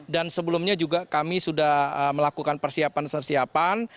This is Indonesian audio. dan sebelumnya juga kami sudah melakukan persiapan persiapan